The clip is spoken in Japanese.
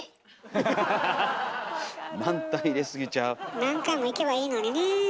何回も行けばいいのねえ。